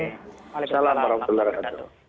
waalaikumsalam warahmatullahi wabarakatuh